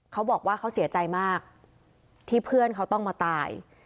เขาบอกว่าเขาเสียใจมากที่เพื่อนเขาต้องมาตาย